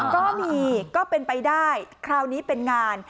ก็มีก็เป็นไปได้คราวนี้เป็นงาน